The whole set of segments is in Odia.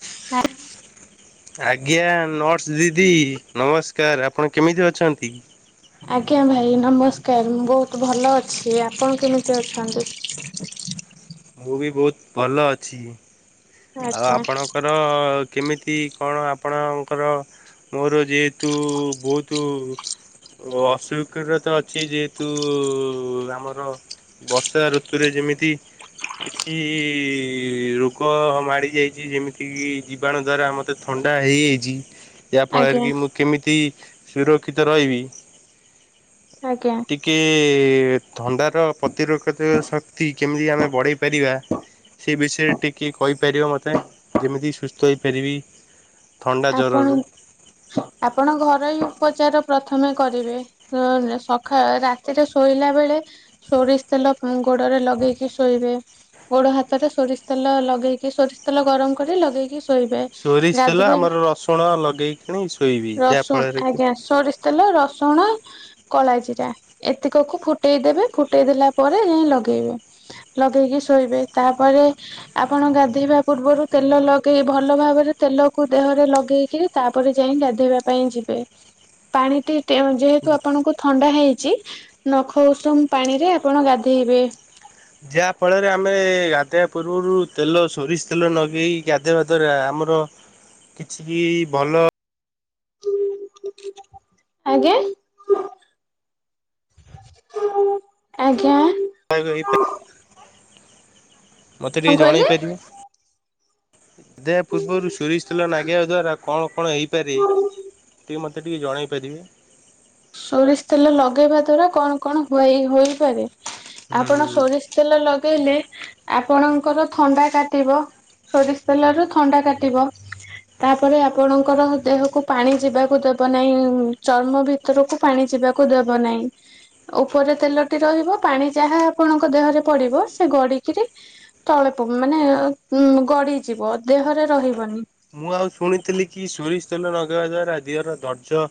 ହ [unintelligible] ନାଇଁ ଆଜ୍ଞା ନର୍ସ ଦିଦି ନମସ୍କାର ଆପଣ କେମିତି ଅଛନ୍ତି? ଆଜ୍ଞା ଭାଇ ନମସ୍କାର ମୁଁ ବହୁତ ଭଲ ଅଛି। ଆପଣ କେମିତି ଅଛନ୍ତି? ମୁଁ ବି ବହୁତ ଭଲ ଅଛି ଆଉ ଆଚ୍ଛା ଆପଣଙ୍କର କେମିତି କଣ ଆପଣଙ୍କର ମୋର ଯେହେତୁ ବୋହୁତୁ ଓ ଅସ୍ୱୀକାର ତ ଅଛି ଯେହେତୁ ଆମର ବର୍ଷା ଋତୁରେ ଯେମିତି କିଛି ରୋଗ ମା ମାଡ଼ିଯାଇଛି ଯେମିତିକି ଜୀବାଣୁ ଦ୍ଵାରା ମୋତେ ଥଣ୍ଡା ହେଇଛି। ଯାହାଫଳରେ ଆଜ୍ଞା କି ମୁଁ କେମିତି ସୁରକ୍ଷିତ ରହିବି। ଆଜ୍ଞା। ଟିକେ ଥଣ୍ଡାର ପ୍ରତିରୋକ୍ଷ ଶକ୍ତି କେମିତି ଆମେ ବଢ଼େଇ ପାରିବା ସେ ବିଷୟରେ ଟିକେ କହିପାରିବ ମତେ ଯେମିତି ସୁସ୍ଥ ହେଇପାରିବି। ଥଣ୍ଡା ଆପଣ ଜ୍ୱରରୁ ଆପଣ ଘରୋଇ ଉପଚାର ପ୍ରଥମେ କରିବେ। ହୁ ସକାଳ ରାତିରେ ଶୋଇଲା ବେଳେ ସୋରିଷ ତେଲ ଗୋଡରେ ଲଗେଇକି ଶୋଇବେ। ଗୋଡ ହାତରେ ସୋରିଷ ତେଲ ଲଗେଇକି ସୋରିଷ ତେଲ ଗରମ କରି ଲଗେଇକି ଶୋଇବେ। ଗାଧୋଇବା କଣ ଲଗେଇକିଣି ଶୋଇବି ଯାହା ରସୁଣ ଫଳରେ କି ଆଜ୍ଞା ସୋରିଷ ତେଲ ରସୁଣ କଳା ଜିରା ଏତିକ କୁ ଫୁଟେଇ ଦେବେ ଫୁଟେଇ ଦେଲା ପରେ ଲଗେଇବେ। ଲଗେଇକି ଶୋଇବେ ତାପରେ ଆପଣ ଗାଧେଇବା ପୂର୍ବରୁ ତେଲ ଲଗେଇ ଭଲ ଭାବରେ ତେଲକୁ ଦେହ ରେ ଲଗେଇକି ତାପରେ ଯାଇ ଗାଧୋଇବା ପାଇଁ ଯିବେ। ପାଣିଟି ଯେହେତୁ ଆପଣଙ୍କୁ ଥଣ୍ଡା ହେଇଛି ନଖ ଉଷୁମ ପାଣିରେ ଆପଣ ଗାଧେଇବେ। ଯାହା ଫଳରେ ଆମେ ଗାଧେଇବା ପୂର୍ବରୁ ତେଲ ସୋରିଷ ତେଲ ଲଗେଇ ଗାଧେଇବା ଦ୍ଵାରା ଆମର କିଛି ବି ଭଲ ଆଜ୍ଞା। ଆଜ୍ଞା। [unintelligible] ମତେ କଣ ଟିକେ ଜଣେଇ କହିଲେ ପାରିବେ। [unintelligible] ପୂର୍ବରୁ ସୋରିଶ ତେଲ ଲାଗେଇବା ଦ୍ଵାରା କଣ କଣ ହେଇପାରେ? ଟିକିଏ ମତେ ଟିକେ ଜଣାଇପାରିବେ। ସୋରିଷ ତେଲ ଲଗେଇବା ଦ୍ଵାରା କଣ କଣ ହୁଏ ହୋଇପାରେ ଆପଣ ହୁଁ ସୋରିଷ ତେଲ ଲଗେଇଲେ ଆପଣଙ୍କର ଥଣ୍ଡା କାଟିବ ସୋରିଷ ତେଲ ରୁ ଥଣ୍ଡା କାଟିବ। ତାପରେ ଆପଣଙ୍କର ଦେହକୁ ପାଣି ଯିବାକୁ ଦବ ନାହିଁ ଚର୍ମ ବି ଭିତରକୁ ପାଣି ଯିବାକୁ ଦବ ନାହିଁ। ଉପରେ ତେଲଟି ରହିବ ପାଣି ଯାହା ଆପଣଙ୍କ ଦେହରେ ପଡିବ ସେ ଗଡିକିରି ତଳେ ପ ମାନେ ଉ ଗଡିଯିବ ଦେହରେ ରହିବନି। ମୁଁ ଆଉ ଶୁଣିଥିଲି କି ସୋରିଷ ତେଲ ଲଗେଇବା ଦ୍ଵାରା ଦେହର ଦରଜ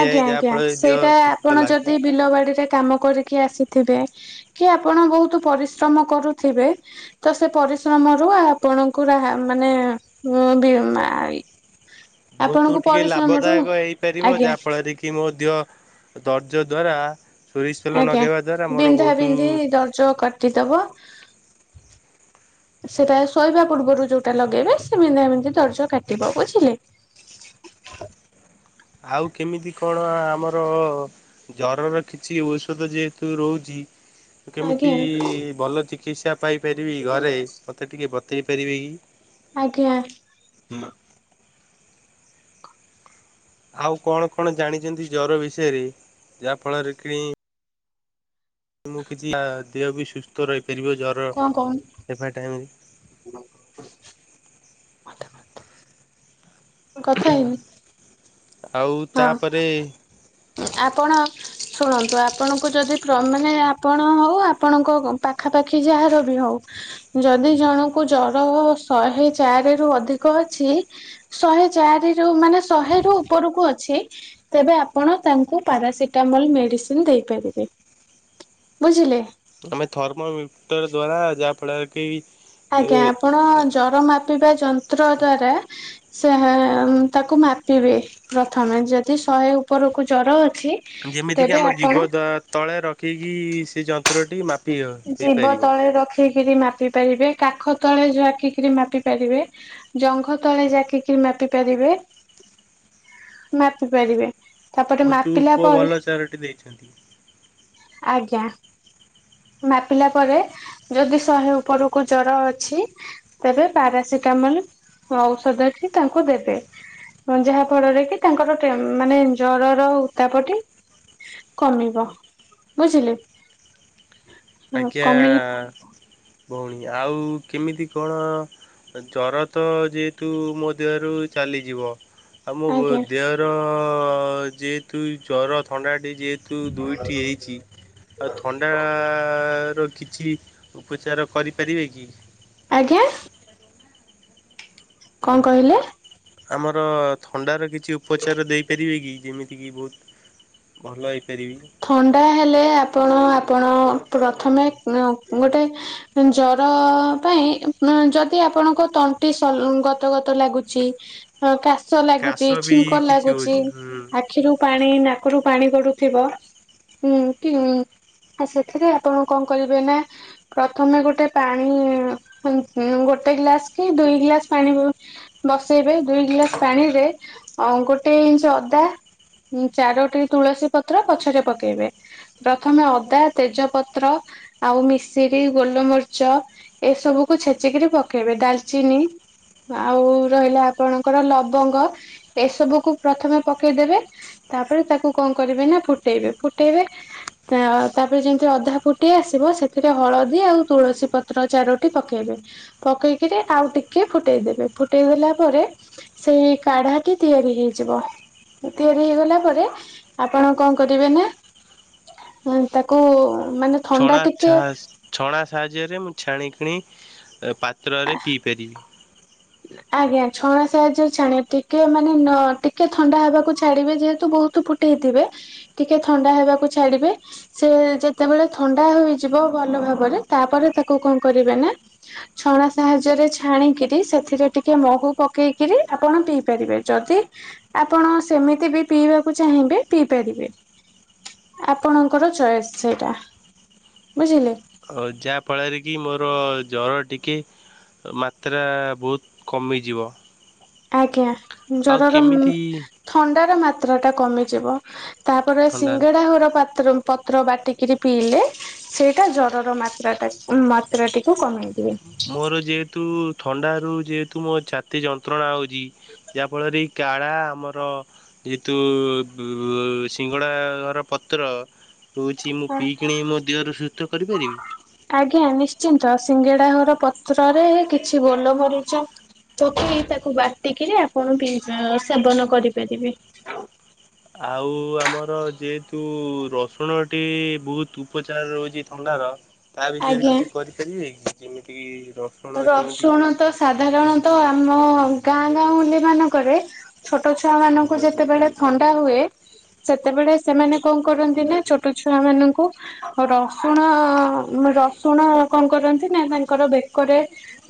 ଆଜ୍ଞା ଆଜ୍ଞା ସେଇଟା ଆପଣ ଲାଗେ। ଯଦି ବିଲ ବାଡିରେ କାମ କରିକି ଆସିଥିବେ କି ଆପଣ ବୋହୁତ ପରିଶ୍ରମ କରୁଥିବେ ତ ସେ ପରିଶ୍ରମ ରୁ ଆପଣଙ୍କୁ ମାନେ ବହୁତ ଆପଣଙ୍କୁ ଟିକେ ପରିଶ୍ରମରୁ ଲାଭଦାୟକ ହେଇପାରିବ ଆଜ୍ଞା ଯାହା ଫଳରେ କି କି ମୋ ଦେହ ଧର୍ଯ୍ୟ ଦ୍ଵାରା ସୋରିଷ ତେଲ ଆଜ୍ଞା ଲଗେଇବା ଦ୍ଵାରା ମୋର ବିନ୍ଧା ବହୁତ ବିନ୍ଧି ଦରଜ କାଟିଦବ। ସେଇଟା ଶୋଇବା ପୂର୍ବରୁ ଯୋଉଟା ଲଗେଇବେ ସେ ବିନ୍ଧା ବିନ୍ଧି ଦରଜ କାଟିବ ବୁଝିଲେ। ଆଉ କେମିତି କଣ ଆମର ଜରର କିଛି ଔଷଧ ଯେହେତୁ ରହୁଛି। କେମିତି ଆଜ୍ଞା ଭଲ ଚିକିତ୍ସା ପାଇପାରିବି ଘରେ ମୋତେ ଟିକେ ବତେଇ ପାରିବେ କି। ଆଜ୍ଞା। ଆଉ କ'ଣ କ'ଣ ଜାଣିଛନ୍ତି ଜର ବିଷୟରେ ଯାହା ଫଳରେ କି। ମୁଁ କିଛି ପା ଦେହ ବି ସୁସ୍ଥ ରହିପାରିବ ଜର। କଣ କହୁନୁ। ହେବା ଟାଇମରେ [inaudible] ମୁଁ କଥା ହେଇନି। ଆଉ ତାପରେ ହଁ ଆପଣ। ଶୁଣନ୍ତୁ ଆପଣଙ୍କୁ ଯଦି କ୍ର ମାନେ ଆପଣ ହଉ ଆପଣଙ୍କ ପାଖାପାଖି ଯାହାର ବି ହଉ। ଯଦି ଜଣଙ୍କୁ ଜରହ ଶହେ ଚାରିରୁ ଅଧିକ ଅଛି। ଶହେ ଚାରିରୁ ମାନେ ଶହେରୁ ଉପରକୁ ଅ। ଅଛି ତେବେ ଆପଣ ତାଙ୍କୁ ପାରାସିଟାମଲ ମେଡିସିନି ଦେଇପାରିବେ। ବୁଝିଲେ। ତମେ ଥର୍ମମିଟର ଦ୍ଵାରା ଯାହା ଫଳରେ କି। ଏ ଆଜ୍ଞା ଆପଣ ଜର ମାପିବା ଯନ୍ତ୍ର ଦ୍ଵାରା। ସେହେ ତାକୁ ମାପିବେ ପ୍ରଥମେ ଯଦି ଶହେ ଉପରକୁ ଜର ଅଛି। ଯେମିତିକି ତେବେ ଆମ ଆପଣ ଜୀଭ ଦ ତଳେ ରଖିକି ସେ ଯନ୍ତ୍ରଟି ମା- ଜୀବ ତଳେ ରଖିକିରି ମାପି ପାରିବେ କାଖ ତଳେ ଯାକିକିରି ମାପି ପାରିବେ। ଜଙ୍ଘ ତଳେ ଜାକିକିରି ମାପି ପାରିବେ। ମାପିପାରିବେ। ତୁ ପୁଅ ଭଲ ଚାରଟି ଦେଇଛନ୍ତି। ଆଜ୍ଞା। ମାପିଲା ପରେ ଯଦି ଶହେ ଉପରକୁ ଜର ଅଛି। ତେବେ ପାରାସିଟାମଲ ଔଷଧଟି ତାଙ୍କୁ ଦେବେ। ଯାହା ଫଳରେ କି ତାଙ୍କର ଟେ ମାନେ ଜରର ଉତ୍ତାପଟି। କମିବ ବୁଝିଲେ। ହଁ ଆଜ୍ଞା କମିଲେ ଭଉଣୀ ଆଉ କେମିତି କ'ଣ। ଜର ତ ଯେହେତୁ ମୋ ଦେହରୁ ଚାଲିଯିବ। ଆମ ଆଜ୍ଞା ଦେହର ଯେହେତୁ ଜର ଥଣ୍ଡା ଟିକେ। ତୁ ଦୁଇଟି ହେଇଛି ଆଉ ଥଣ୍ଡା। ଆ ର କିଛି ଉପଚାର କରିପାରିବେ କି? ଆଜ୍ଞା। କଁ କହିଲେ। ଆ ଆମର ଥଣ୍ଡାର କିଛି ଉପଚାର ଦେଇପାରିବେ କି ଯେମିତିକି ବହୁତୁ। ଭଲ ହେଇପାରିବି। ଥଣ୍ଡା ହେଲେ ଆପଣ ଆପଣ ପ୍ରଥମେ କଁ ଗୋଟେ। ଜର ପାଇଁ ଯଦି ଆପଣଙ୍କ ତଣ୍ଟି ସଲ ଗତ ଗତ ଲାଗୁଛି। ହଁ କା। ଶୋଷ କାଶ ଲାଗୁଛି ବି ଛିଙ୍କ କିଛି ଲାଗୁଛି ହଉଛି ହୁଁ। ଆଖିରୁ ପାଣି ନାକରୁ ପାଣି ଗଡୁଥିବ। ହୁଁ କି ହୁଁ ସେଥିରେ ଆପଣ କଁ କରିବେ ନା। ପ୍ରଥମେ ଗୋଟେ ପାଣି ଗୋଟେ ଗ୍ଲାସ କି ଦୁଇ ଗ୍ଲାସ ପାଣି ବସେଇବେ ଦୁଇ ଗ୍ଲାସ ପାଣିରେ ଗୋଟେ ଇଞ୍ଚି ଅଦା। ଉଁ ଚାରୋଟି ତୁଳସୀ ପତ୍ର ପଛରେ ପକେଇବେ। ପ୍ରଥମେ ଅଦା, ତେଜପତ୍ର,। ଆଉ ମିଶିରି, ଗୋଲମରିଚ, ଏ ସବୁକୁୁ ଛେଚିକିରି ପକେଇବେ ଡାଲଚିନି। ଆଉ ରହିଲା ଆପଣଙ୍କର ଲବଙ୍ଗ, ଏସବୁକୁୁ ପ୍ରଥମେ ପକେଇଦେବେ- ତାପରେ ତାକୁ କଣ କରିବେ ନା ଫୁଟେଇବେ, ଫୁଟେଇବେ, - ତା ତାପରେ ଯାଇଁକି ଅଧା ଫୁଟି ଆସିବ ସେଥିରେ ହଳଦୀ, ଆଉ ତୁଳସୀ ପତ, - ପତ୍ର ଚାରୋଟି ପକେଇବେ, ପକେଇକିରି ଆଉ ଟିକେ ଫୁଟେଇଦବେ, ଫୁଟେଇ ଦେଲା ପରେ ସେଇ କାଢାଟି ତିଆରି ହେଇଯିବ ତିଆରି ହେଇଗଲା ପରେ ଆପଣ କଁ କରିବେନା? ଏ ତାକୁ ମାନେ ଥଣ୍ଡା ଛଣା ଛା ଟିକେ- ଛଣା ସାହାଯ୍ୟରେ ମୁଁ ଛାଣିିକିଣି, ପାତ୍ରରେ ପିଇପାରିବି। ଆଜ୍ଞା ଛଣା ସାହାଯ୍ୟରେ ଛାଣିବେ, ଟିକେ ମାନେ ନ ଟିକେ ଥଣ୍ଡା ହେବାକୁ ଛାଡିବେ, ଯେହେତୁ ବହୁତ- ତ ଫୁଟେଇଥିବେ, ଟିକେ ଥଣ୍ଡା ହେବାକୁ ଛାଡିବେ- ସେ ଯେତେବେଳେ ଥଣ୍ଡା ହେଇଯିବ ଭଲ ଭାବରେ, ତାପରେ ତାକୁ କଣ କରିବେ ନା? ଛଣା ସାହାଯ୍ୟରେ ଛାଣିକିରି, ସେଥିରେ ଟିକେ ମହୁ ପକେଇକିରି ଆପଣ ପିଇ ପାରିବେ, ଯଦି- ଆପଣ ସେମିତି ବି ପିଇବାକୁ ଚାହିଁବେ, ପିଇ ପାରିବେ। ଆପଣଙ୍କର ଚଏସ୍ ସେଇଟା ବୁଝିଲେ। ଆଉ ଯାହା ଫଳରେ କି ମୋର ଜର ଟିକେ ମାତ୍ରା ବହୁତ କମିଯିବ। ଆଜ୍ଞା ଆଉ ଜରର କେମିତି ଥଣ୍ଡାର ମାତ୍ରା ଟା କମିଯିବ ତାପରେ ଥଣ୍ଡାର ସିଙ୍ଗଡା ହର ପାତ୍ର ପତ୍ର ବାଟିକିରି ପିଇଲେ। ସେଇଟା ଜର ର ମାତ୍ରା, ମାତ୍ରାଟିକୁ କମେଇ ଦିଏ। ମୋର ଯେହେତୁ ଥଣ୍ଡାରୁ ଯେହେତୁ ମୋ ଛାତି ଯନ୍ତ୍ରଣା ହେଉଛି ଯାହାଫଳରେ କାଢା ଆମର ଯେହେତୁ ସିଙ୍ଗଡ଼ା ଘର ପତ୍ର ରହୁଚି ମୁଁ ହଁ ପିଇ କିଣି ମୋ ଦେହରୁ ସୁସ୍ଥ କରିପାରିବି। ଆଜ୍ଞା ନିଶ୍ଚିନ୍ତ ସିଙ୍ଗେଡା ଘର ପତ୍ରରେ କିଛି ଗୋଲମରିଚ ପକେଇ ତାକୁ ବାଟିକିରି ଆପଣ ପି ସେବନ କରିପାରିବେ। ଆଉ ଆମର ଯେହେତୁ ରସୁଣଟି ବହୁତୁ ଉପଚାର ରହୁଚି ଥଣ୍ଡାର ତା ବିଷୟରେ ଆଜ୍ଞା। କିଛି କରିପାରିବେ କି ଯେମିତି କି ର ରସୁଣ ତ ସାଧାରଣତ ଆମ ଗାଁ ଗାଉଁଳି ମାନଙ୍କରେ ଛୋଟ ଛୁଆ ମାନଙ୍କୁ ଯେତେବେଳେ ଥଣ୍ଡା ହୁଏ। ସେତେବେଳେ ସେମାନେ କଣ କରନ୍ତି ନା ଛୋଟ ଛୁଆ ମାନଙ୍କୁ ରସୁଣ ରସୁଣ କଣ କରନ୍ତି ନା ତାଙ୍କର ବେ ବେକରେ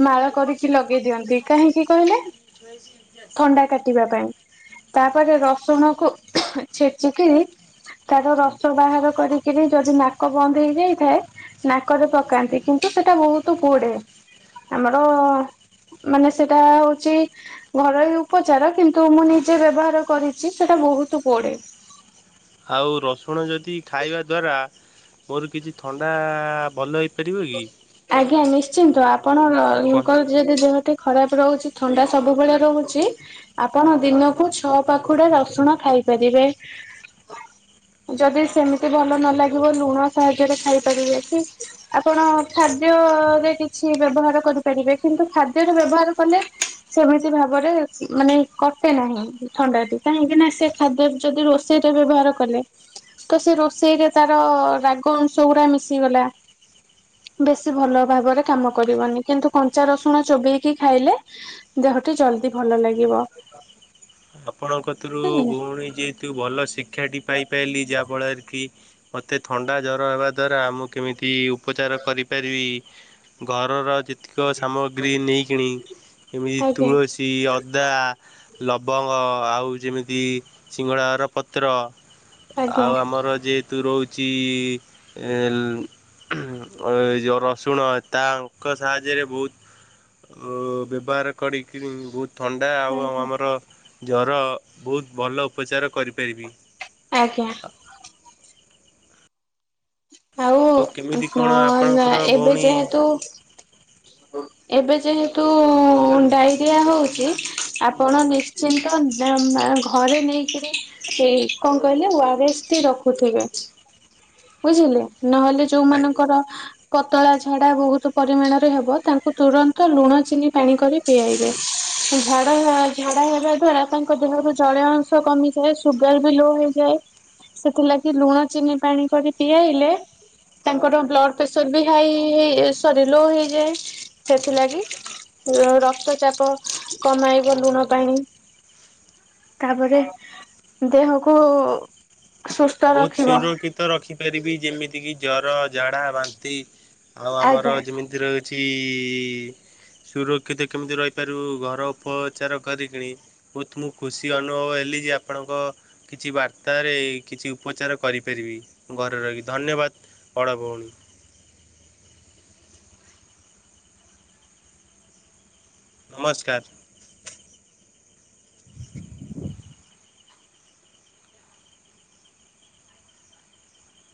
ମାଳ କରିକି ଲଗେଇ ଦିଅନ୍ତି କାହିଁକି କହିଲେ? ଥଣ୍ଡା କାଟିବା ପାଇଁ ତାପରେ ରସୁଣକୁ ଛେଚିକିରି ତାର ରସ ବାହାର କରିକିରି ଯଦି ନାକ ବନ୍ଦ ହେଇଯାଇଥାଏ। ନାକରେ ପକାନ୍ତି କିନ୍ତୁ ସେଟା ବହୁତ ପୋଡେ। ଆମର ମାନେ ସେଟା ହଉଛି। ଘରୋଇ ଉପଚାର କିନ୍ତୁ ମୁଁ ନିଜେ ବ୍ୟବହାର କରିଛି ସେଟା ବହୁତ ପୋଡେ। ଆଉ ରସୁଣ ଯଦି ଖାଇବା ଦ୍ଵାରା ମୋର କିଛି ଥଣ୍ଡା ଭଲ ହେଇପାରିବ କି? ଆଜ୍ଞା ନିଶ୍ଚିନ୍ତ କଞ୍ଚା ଆପଣଙ୍କର ଯେ ଯେ ଦେହ ଖରାପ ରହୁଛି ଥଣ୍ଡା ସବୁବେଳେ ରହୁଛି। ଆପଣ ଦିନକୁ ଛଅ ପାଖୁଡା ରସୁଣ ଖାଇପାରିବେ। ଯଦି ସେମିତି ଭଲ ନ ଲାଗିବ ଲୁଣ ସାହାଯ୍ୟରେ ଖାଇପାରିବେ କି? ଆପଣ ଖାଦ୍ୟରେ କିଛି ବ୍ୟବହାର କରିପାରିବେ କିନ୍ତୁ ଖାଦ୍ୟରେ ବ୍ୟବହାର କଲେ। ସେମିତି ଭାବରେ ମାନେ କଟେ ନାହିଁ ଥଣ୍ଡା ଟି କାହିଁକି ନା ସେ ଖାଦ୍ୟ ଯଦି ରୋଷ ସେଇଟେରେ ବ୍ୟବହାର କଲେ ତ ସେ ରୋଷେଇରେ ତାର ରାଗ ଅଂଶ ଗୁଡା ମିଶିଗଲା। ବେଶୀ ଭଲ ଭାବରେ କାମ କରିବନି କିନ୍ତୁ କଞ୍ଚା ରସୁଣ ଚୋବେଇକି ଖାଇଲେ ଦେହଟି ଜଲଦି ଭଲ ଲାଗିବ। ଆପଣ କତୁରୁ ବୁଝିଲେ ଭଉଣୀ ଯେହେତୁ ଭଲ ଶିକ୍ଷାଟି ପାଇପାରିଲି ଯାହାଫଳରେ କି ମୋତେ ଥଣ୍ଡା ଜ୍ଵର ହେବା ଦ୍ୱାରା ମୁଁ କେମିତି ଉପଚାର କରିପାରିବି। ଘରର ଯେତିକ ସାମଗ୍ରୀ ନେଇକିଣି ଏମିତି ଆଜ୍ଞା ତୁଳସୀ ଟି ଅଦା ଲବଙ୍ଗ। ଆଉ ଯେମିତି ସିଙ୍ଗଡ଼ାର ପତ୍ର ଆଜ୍ଞା ଆଉ ଆମର ଯେ ତୁ ରହୁଛି ଏଁ ଏ ଯୋଉ ରସୁଣ ତା ଅଙ୍କ ସାହାଯ୍ୟରେ ବହୁତ ଉଁ ବ୍ୟବହାର କରିକିରି ବହୁତ ଥଣ୍ଡା ଆଉ ଆଉ ଆଜ୍ଞା ଆମର ଜର ବହୁତ ଭଲ ଉପଚାର କରିପାରିବି। ଆଜ୍ଞା। ଆଉ କେମିତି କଣ ନ ଆପଣଙ୍କର ଏବେ ଭଉଣୀ ଯେହେତୁ ଏବେ ଯେହେତୁ ଡାଇରିଆ ହଉଚି ଆପଣ ନିଶ୍ଚିନ୍ ତନ୍ ଘରେ ନେଇକରି ଏଇ କଣ କହିଲେ ଓ ଆର ଏସ୍ ଟି ରଖୁଥିବେ। ବୁଝିଲେ ନହେଲେ ଯୋଉମାନଙ୍କର ପତଳା ଝାଡା ବହୁତୁ ପରିମାଣରେ ହେବ ତାଙ୍କୁ ତୁରନ୍ତ ଲୁଣ ଚିନି ପାଣି କରି ପିଆଇବେ ଝାଡା ଅ ଝାଡା ହେବା ଦ୍ଵାରା ତାଙ୍କ ଦେହରୁ ଜଳୀୟ ଅଂଶ କମିଯାଏ ସୁଗାର ବି ଲୋ ହେଇଯାଏ ସେଥିଲାଗି ଲୁଣ ଚିନି ପାଣି କରି ପିଆଇଲେ ତାଙ୍କର ବ୍ଲଡ ପେସର ବି ହାଇ ହେ ସରି ଲୋ ହେଇଯାଏ ସେଥିଲାଗି ର ରକ୍ତ ଚାପ କମାଇବ ଲୁଣ ପାଣି ତାପରେ ଦେହକୁ ସୁସ୍ଥ ବହୁତ ରଖିବ ସୁରକ୍ଷିତ ରଖିପାରିବି ଯେମିତିକି ଜର, ଝାଡା, ବାନ୍ତି। ଆଉ ଆମର ଆଜ୍ଞା। ଯେମିତି ରହୁଛି ସୁରକ୍ଷିତ କେମିତି ରହିପାରିବୁ ଘର ଉପଚାର କରିକିଣି ବହୁତ ମୁଁ ଖୁସି ଅନୁଭବ ହେଲି ଯେ ଆପଣଙ୍କ କିଛି ବାର୍ତ୍ତାରେ କିଛି ଉପଚାର କରିପାରିବି ଘରେ ରହିକି ଧନ୍ୟବାଦ୍ ବଡ଼ ଭଉଣୀ। ନମସ୍କାର।